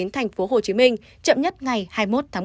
tp hcm chậm nhất ngày hai mươi một tháng một mươi